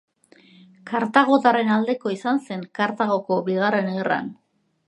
Kartagotarren aldeko izan zen Kartagoko bigarren gerran.